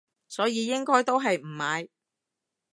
所以應該都係唔買